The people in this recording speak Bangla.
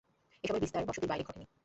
এসবের বিস্তার বসতির বাইরে ঘটেনি।